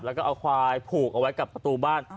แล้วก็เอาควายผูกเอาไว้กับประตูบ้าน